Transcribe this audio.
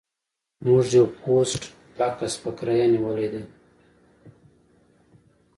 موږ یو پوسټ بکس په کرایه نیولی دی